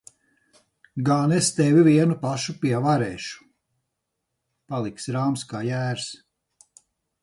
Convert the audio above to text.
Gan es tevi vienu pašu pievarēšu! Paliksi rāms kā jērs.